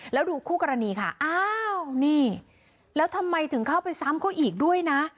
แล้วดูคู่กรณีค่ะอ้าวนี่แล้วทำไมถึงเข้าไปซ้ำเขาอีกด้วยนะ